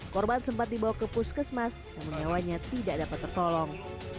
korban sempat dibawa ke puskesmas namun nyawanya tidak dapat tertolong